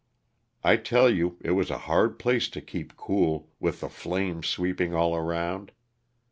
I tell you it was a hard place to keep cool, with the flames sweep ing all around.